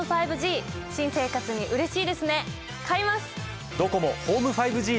新生活にうれしいですね買います！